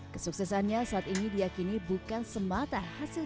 kesuksesannya saat ini diakini bukan semata hasil